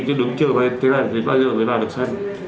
thì đúng chưa thế là bao giờ mới vào được sân